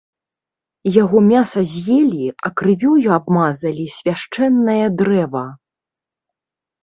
Яго мяса з'елі, а крывёй абмазалі свяшчэннае дрэва.